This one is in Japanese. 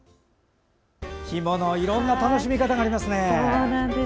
干物いろんな楽しみ方がありますね。